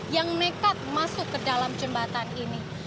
yang nekat masuk ke dalam jembatan ini